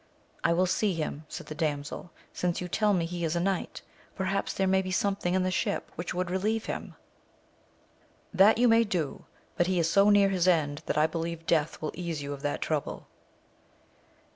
I will see him, said the damsel, since you tell me he is a knight, perhaps there may be something in the ship which would relieve him. — That you may do, but he is so near his end, that I believe death will ease you of that trouble.